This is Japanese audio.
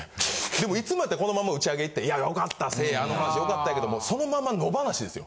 でもいつもやったらこのまま打ち上げ行って「いやよかったせいやあの話よかった」やけどそのまま野放しですよ。